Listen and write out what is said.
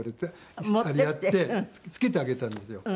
しっかりやって付けてあげたんですよ。